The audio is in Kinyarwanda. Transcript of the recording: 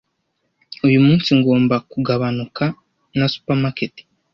Uyu munsi ngomba kugabanuka na supermarket.